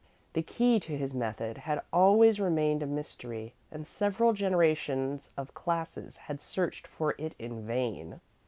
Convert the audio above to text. The key to his method had always remained a mystery, and several generations of classes had searched for it in vain.